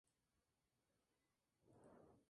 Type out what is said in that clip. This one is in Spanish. Una parte de su infancia la vivió en Bucaramanga.